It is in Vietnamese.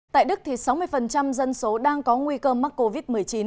tại đức sáu mươi dân số đang có nguy cơ mắc covid một mươi chín